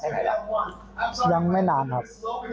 ครับ